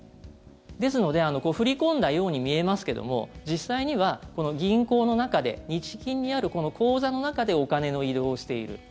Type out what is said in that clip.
ですので振り込んだように見えますけども実際には、この銀行の中で日銀にあるこの口座の中でお金の移動をしている。